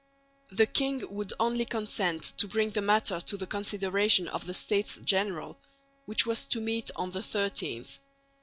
The king would only consent to bring the matter to the consideration of the States General, which was to meet on the 13th.